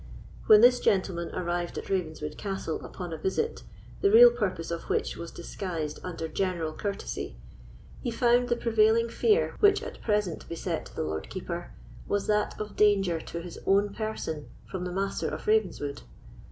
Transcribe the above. When this gentleman arrived at Ravenswood Castle upon a visit, the real purpose of which was disguised under general courtesy, he found the prevailing fear which at present beset the Lord Keeper was that of danger to his own person from the Master of Ravenswood.